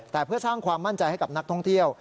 แต่เพื่อสร้างความมั่นใจให้กับนักท่องเที่ยว